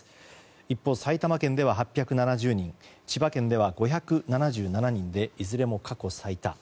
一方、埼玉県では８７０人千葉県では５７７人でいずれも過去最多。